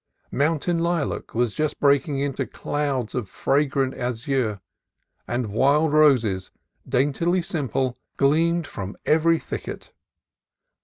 Mountain lilac was just breaking into clouds of fragrant azure, and wild roses, daintily simple, gleamed from every thicket.